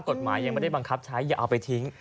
กฎหมายยังไม่ได้บังคับใช้อย่าเอาไปทิ้ง